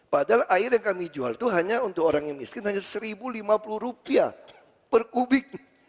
padahal air yang kami jual itu hanya untuk orang yang miskin hanya rp satu lima puluh per kubik